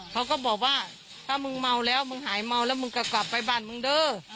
เขาก็บอกว่าถ้ามึงเมาแล้วมึงหายเมาแล้วมึงก็กลับไปบ้านมึงเด้อ